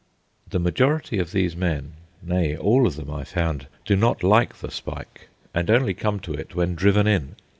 The majority of these men, nay, all of them, I found, do not like the spike, and only come to it when driven in.